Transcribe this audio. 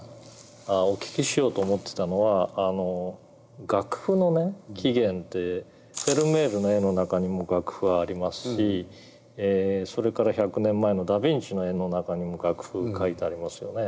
ああお聞きしようと思ってたのは楽譜の起源ってフェルメールの絵の中にも楽譜はありますしそれから１００年前のダビンチの絵の中にも楽譜が描いてありますよね。